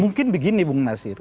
mungkin begini bung nasir